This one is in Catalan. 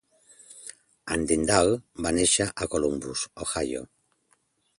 En Dindal va néixer a Columbus, Ohio.